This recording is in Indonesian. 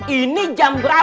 ini jam ber afi